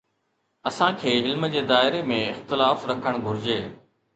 اسان کي علم جي دائري ۾ اختلاف رکڻ گهرجي.